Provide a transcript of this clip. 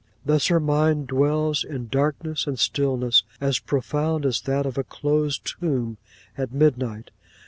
Thus her mind dwells in darkness and stillness, as profound as that of a closed tomb at midnight.